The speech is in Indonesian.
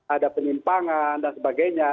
ada penimpangan dan sebagainya